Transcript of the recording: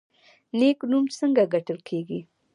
نیک نوم څنګه ګټل کیږي؟